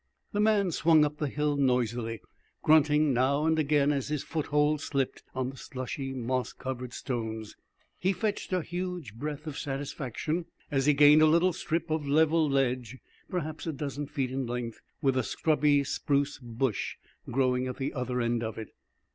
The man swung up the hill noisily, grunting now and again as his foothold slipped on the slushy, moss covered stones. He fetched a huge breath of satisfaction as he gained a little strip of level ledge, perhaps a dozen feet in length, with a scrubby spruce bush growing at the other end of it.